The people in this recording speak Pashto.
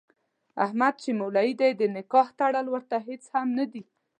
احمد چې مولوي دی د نکاح تړل ورته هېڅ هم نه دي.